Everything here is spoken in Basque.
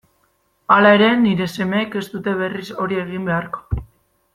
Hala ere, nire semeek ez dute berriz hori egin beharko.